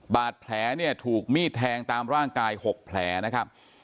บาดแผลเนี่ยถูกมีดแทงตามร่างกาย๖แผลนะครับ